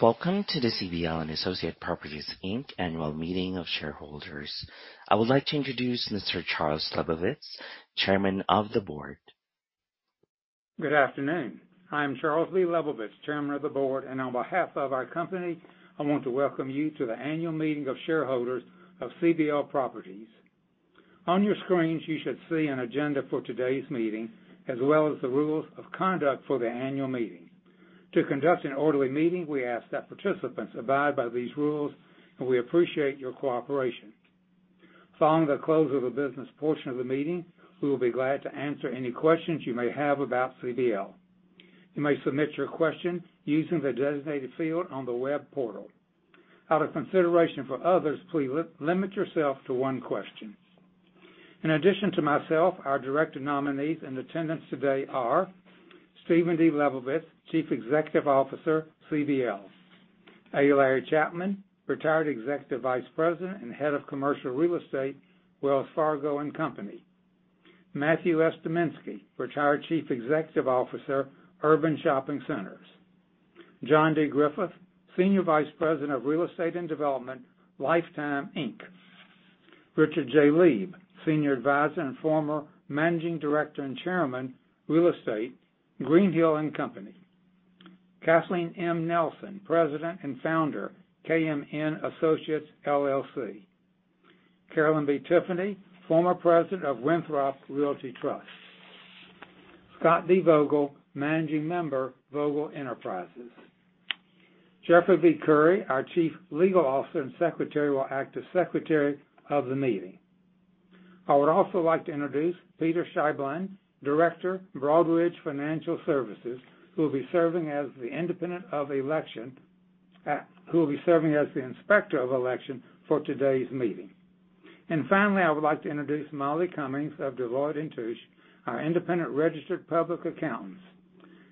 Welcome to the CBL & Associates Properties, Inc. Annual Meeting of Shareholders. I would like to introduce Mr. Charles Lebovitz, Chairman of the Board. Good afternoon. I am Charles B. Lebovitz, Chairman of the Board, and on behalf of our company, I want to welcome you to the annual meeting of shareholders of CBL Properties. On your screens, you should see an agenda for today's meeting, as well as the rules of conduct for the annual meeting. To conduct an orderly meeting, we ask that participants abide by these rules, and we appreciate your cooperation. Following the close of the business portion of the meeting, we will be glad to answer any questions you may have about CBL. You may submit your question using the designated field on the web portal. Out of consideration for others, please limit yourself to one question. In addition to myself, our Director nominees in attendance today are Stephen D. Lebovitz, Chief Executive Officer, CBL. Larry Chapman, Retired Executive Vice President and Head of Commercial Real Estate, Wells Fargo & Company. Matthew S. Dominski, Retired Chief Executive Officer, Urban Shopping Centers. John D. Griffith, Senior Vice President of Real Estate and Development, Life Time, Inc. Richard J. Lieb, Senior Advisor and former Managing Director and Chairman, Real Estate, Greenhill & Company. Kathleen M. Nelson, President and Founder, KMN Associates LLC. Carolyn B. Tiffany, former President of Winthrop Realty Trust. Scott D. Vogel, Managing Member, Vogel Enterprises. Jeffery V. Curry, our Chief Legal Officer and Secretary, will act as Secretary of the meeting. I would also like to introduce Peter Scheibelein, Director, Broadridge Financial Solutions, who will be serving as the Inspector of Election for today's meeting. And finally, I would like to introduce Molly Cummings of Deloitte & Touche, our independent registered public accountants.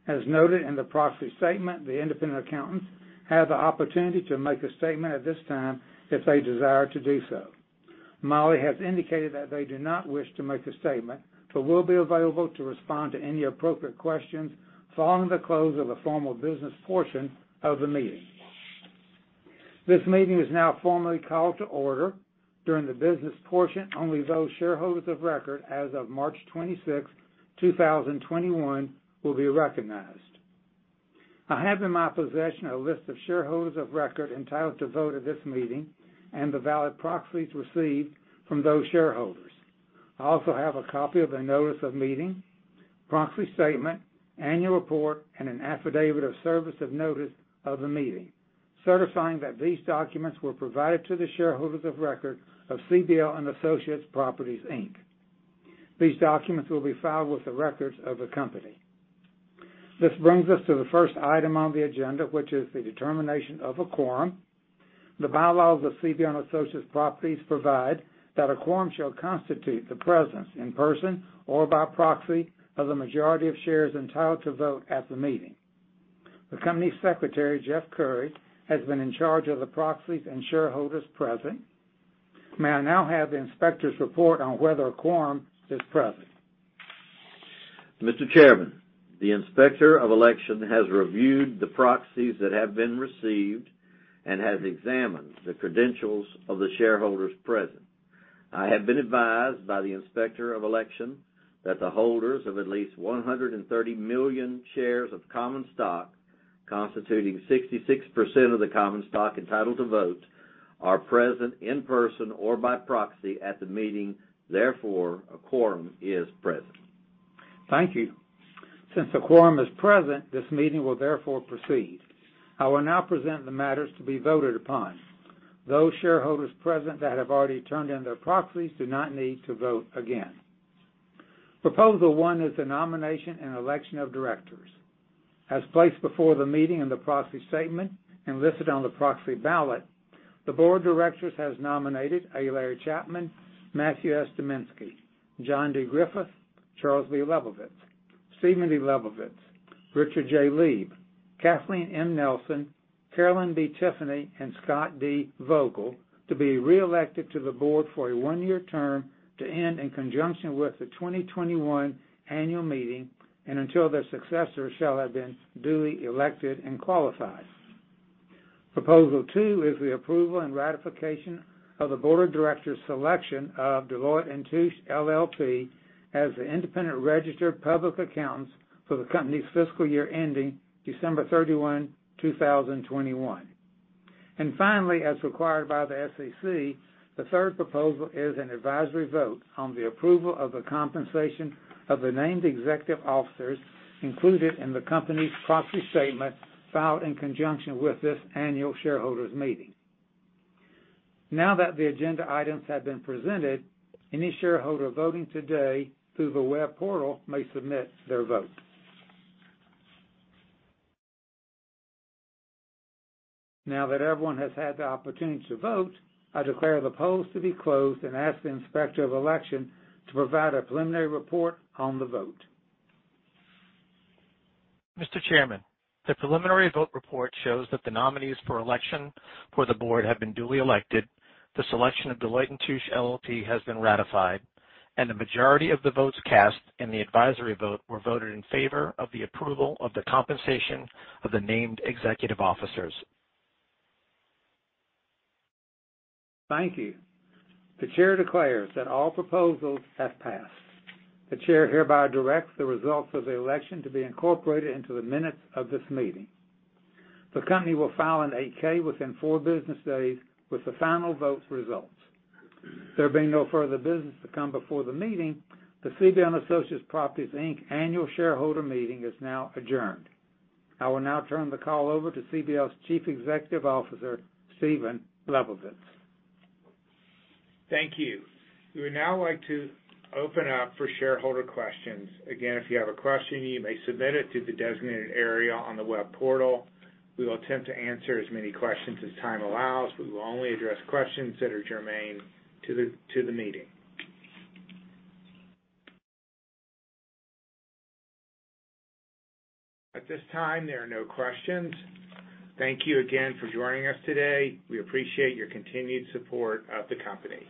As noted in the proxy statement, the independent accountants have the opportunity to make a statement at this time if they desire to do so. Molly has indicated that they do not wish to make a statement, but will be available to respond to any appropriate questions following the close of the formal business portion of the meeting. This meeting is now formally called to order. During the business portion, only those shareholders of record as of March 26th, 2021, will be recognized. I have in my possession a list of shareholders of record entitled to vote at this meeting and the valid proxies received from those shareholders. I also have a copy of the notice of meeting, proxy statement, annual report, and an affidavit of service of notice of the meeting, certifying that these documents were provided to the shareholders of record of CBL & Associates Properties, Inc. These documents will be filed with the records of the company. This brings us to the first item on the agenda, which is the determination of a quorum. The bylaws of CBL & Associates Properties provide that a quorum shall constitute the presence in person or by proxy of the majority of shares entitled to vote at the meeting. The Company Secretary, Jeff Curry, has been in charge of the proxies and shareholders present. May I now have the inspector's report on whether a quorum is present. Mr. Chairman, the Inspector of Election has reviewed the proxies that have been received and has examined the credentials of the shareholders present. I have been advised by the Inspector of Election that the holders of at least 130 million shares of common stock, constituting 66% of the common stock entitled to vote, are present in person or by proxy at the meeting. Therefore, a quorum is present. Thank you. Since the quorum is present, this meeting will therefore proceed. I will now present the matters to be voted upon. Those shareholders present that have already turned in their proxies do not need to vote again. Proposal one is the nomination and election of directors. As placed before the meeting in the proxy statement and listed on the proxy ballot, the Board of Directors has nominated A. Larry Chapman, Matthew S. Dominski, John D. Griffith, Charles B. Lebovitz, Stephen D. Lebovitz, Richard J. Lieb, Kathleen M. Nelson, Carolyn B. Tiffany, and Scott D. Vogel to be reelected to the board for a one-year term to end in conjunction with the 2021 Annual Meeting and until their successors shall have been duly elected and qualified. Proposal two is the approval and ratification of the board of directors' selection of Deloitte & Touche LLP as the independent registered public accountants for the company's fiscal year ending December 31, 2021. As required by the SEC, the third proposal is an advisory vote on the approval of the compensation of the named executive officers included in the company's proxy statement filed in conjunction with this annual shareholders meeting. Now that the agenda items have been presented, any shareholder voting today through the web portal may submit their vote. Now that everyone has had the opportunity to vote, I declare the polls to be closed and ask the Inspector of Election to provide a preliminary report on the vote. Mr. Chairman, the preliminary vote report shows that the nominees for election for the board have been duly elected, the selection of Deloitte & Touche LLP has been ratified, and the majority of the votes cast in the advisory vote were voted in favor of the approval of the compensation of the named executive officers. Thank you. The Chair declares that all proposals have passed. The Chair hereby directs the results of the election to be incorporated into the minutes of this meeting. The company will file an 8-K within four business days with the final vote results. There being no further business to come before the meeting, the CBL & Associates Properties, Inc. Annual Shareholder Meeting is now adjourned. I will now turn the call over to CBL's Chief Executive Officer, Stephen Lebovitz. Thank you. We would now like to open up for shareholder questions. Again, if you have a question, you may submit it through the designated area on the web portal. We will attempt to answer as many questions as time allows. We will only address questions that are germane to the meeting. At this time, there are no questions. Thank you again for joining us today. We appreciate your continued support of the company.